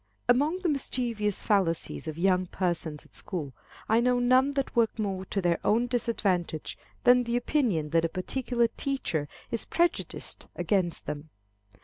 Among the mischievous fallacies of young persons at school, I know none that work more to their own disadvantage than the opinion that a particular teacher is prejudiced against them.